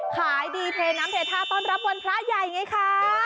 ขายดีเทน้ำเทท่าต้อนรับวันพระใหญ่ไงคะ